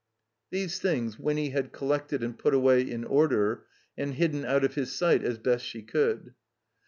These things Winny had collected and put away in order, and hidden out of his sight as best she could.